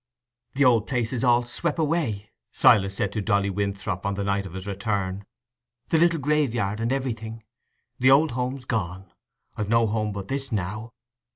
"The old place is all swep' away," Silas said to Dolly Winthrop on the night of his return—"the little graveyard and everything. The old home's gone; I've no home but this now.